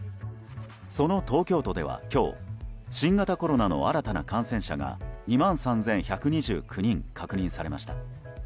その東京都では今日新型コロナの新たな感染者が２万３１２９人確認されました。